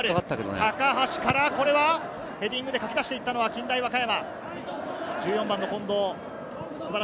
高橋からこれはヘディングでかき出して行ったのは近大和歌山。